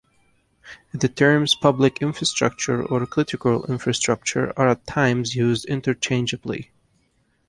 The terms public infrastructure or critical infrastructure are at times used interchangeably.